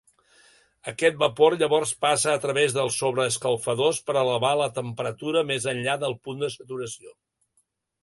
Aquest vapor llavors passa a través dels sobreescalfadors per elevar la temperatura més enllà del punt de saturació.